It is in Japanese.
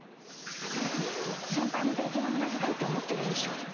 先輩も税金の無駄遣いと思ってるんでしょう